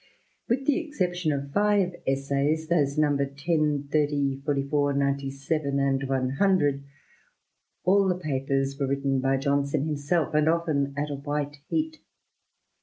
With the exception of five essays, those numbered ten, thirty, forty four, ninety seven, and one hundred, all the papers were written by Johnson himself, and often at a white heat.